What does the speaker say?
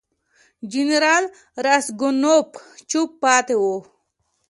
جنرال راسګونوف چوپ پاتې وو.